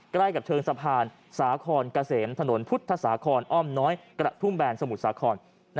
ใกล้กับเชิงสะพานสาครเกษมถนนพุทธสาครอ้อมน้อยกระทุ่มแบนสมุทรสาคร